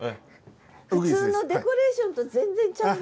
普通のデコレーションと全然ちゃうね。